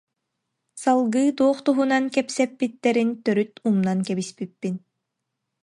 Салгыы туох туһунан кэпсэппиттэрин төрүт умнан кэбиспиппин